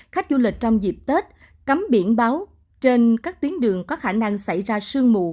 khách du lịch trong dịp tết cắm biển báo trên các tuyến đường có khả năng xảy ra sương mù